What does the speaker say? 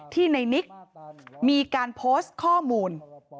ที่ในนิกมีการโพสต์ข้อมูล